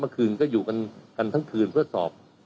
เมื่อคืนก็อยู่กันทั้งคืนเพื่อสอบ